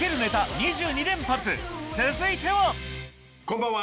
続いてはこんばんは！